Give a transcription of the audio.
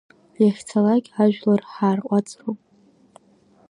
Иахьцалак ажәлар ҳаарҟәаҵроуп.